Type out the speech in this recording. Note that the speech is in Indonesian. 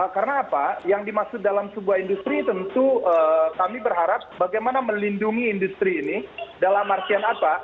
karena apa yang dimaksud dalam sebuah industri tentu kami berharap bagaimana melindungi industri ini dalam artian apa